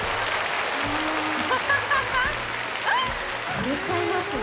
ほれちゃいますね。